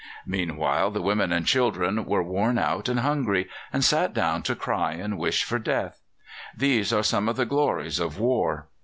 Meanwhile, the women and children were worn out and hungry, and sat down to cry and wish for death. These are some of the glories of war.